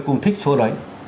cùng thích số đấy